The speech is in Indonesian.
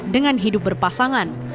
dengan hidup berpasangan